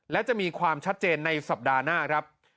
และจะมีความชัดเจนในสัปดาห์หน้าครับ